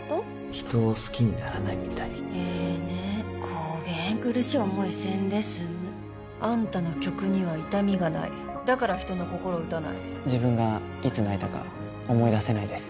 人を好きにならないみたいええねこげん苦しい思いせんで済むアンタの曲には痛みがないだから人の心を打たない自分がいつ泣いたか思い出せないです